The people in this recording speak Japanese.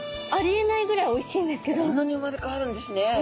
こんなに生まれ変わるんですね。